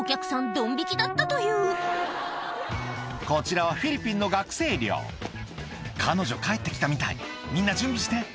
ドン引きだったというこちらはフィリピンの学生寮「彼女帰ってきたみたいみんな準備して」